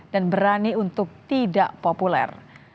dan berani untuk tidak populer